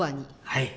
はい。